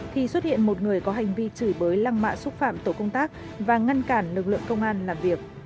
khi xuất hiện một người có hành vi chửi bới lăng mạ xúc phạm tổ công tác và ngăn cản lực lượng công an làm việc